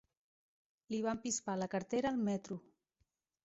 Li van pispar la cartera al metro.